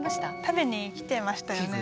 食べに来てましたよね。